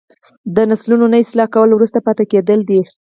د نسلونو نه اصلاح کول وروسته پاتې کیدل دي.